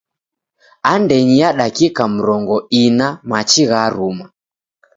Andenyi ya dakika mrongo ina machi gharuma.